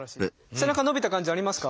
背中伸びた感じありますか？